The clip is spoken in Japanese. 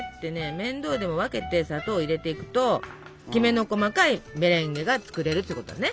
面倒でも分けて砂糖を入れていくときめの細かいメレンゲが作れるってことね。